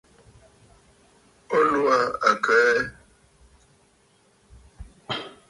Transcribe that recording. O lɔ̀ɔ̀ aa àkə̀ aa ɛ?